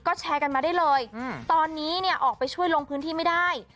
ก็แชร์กันมาได้เลยตอนนี้เนี่ยออกไปช่วยลงพื้นที่ไม่ได้